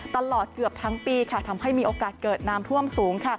ตลอดเกือบทั้งปีทำให้มีโอกาสเกิดน้ำท่วมสูง